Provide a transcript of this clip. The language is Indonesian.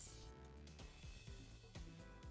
semua bahan diaduk menggunakan tangan agar adonan tidak terlalu kalis